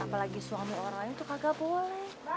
apalagi suami orang lain itu kagak boleh